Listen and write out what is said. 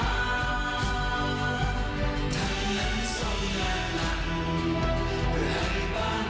ท่านคือพระราชาในรุ่นของภูมิประชาชาไทยภูมิสฤทธิ์ในหัวใจและรอดมา